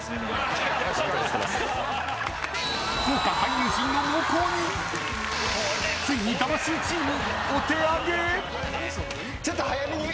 豪快俳優陣の猛攻についに魂チームお手上げ？